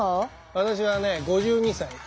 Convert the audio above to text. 私はね５２歳だ。